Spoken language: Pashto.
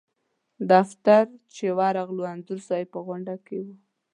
دفتر چې ورغلو انځور صاحب په غونډه کې و.